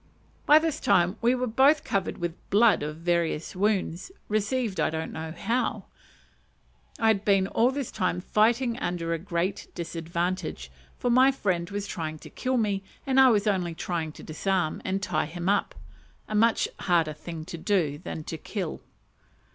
By this time we were both covered with blood from various wounds, received I don't know how. I had been all this time fighting under a great disadvantage, for my friend was trying to kill me, and I was only trying to disarm and tie him up a much harder thing than to kill.